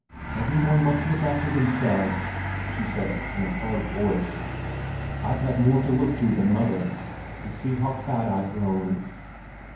"Every one must look after themselves," she said in a hard voice. "I've had more to look to than mother, and see how fat I've grown."